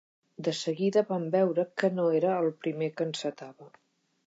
De seguida vam veure que no era el primer que encetava.